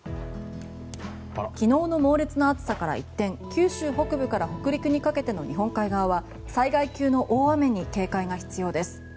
昨日の猛烈な暑さから一転九州北部から北陸にかけての日本海側は災害級の大雨に警戒が必要です。